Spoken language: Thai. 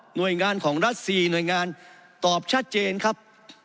หน่วยงานของรัฐ๔หน่วยงานตอบชัดเจนครับ